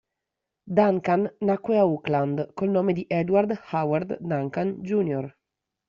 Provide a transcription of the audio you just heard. Duncan nacque a Oakland col nome Edward Howard Duncan Jr.